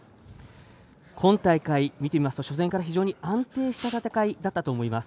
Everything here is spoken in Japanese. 今大会、見ていますと初戦から非常に安定した戦いだったと思います。